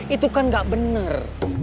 itu kan gak bener